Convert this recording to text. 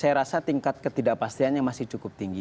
saya rasa tingkat ketidakpastiannya masih cukup tinggi